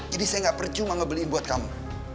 jadi saya gak percuma ngebeli buat kamu